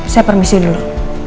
saya permisi dulu